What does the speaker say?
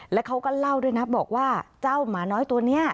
แล้วเขาก็เล่าด้วยนะบอกว่าเจ้าหมาน้อยตัวนี้